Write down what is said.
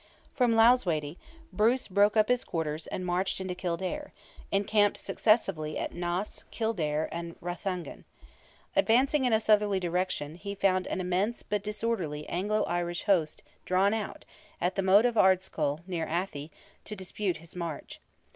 From Loughsweedy, Bruce broke up his quarters, and marched into Kildare, encamping successively at Naas, Kildare, and Rathangan. Advancing in a southerly direction, he found an immense, but disorderly Anglo Irish host drawn out, at the moat of Ardscull, near Athy, to dispute his march.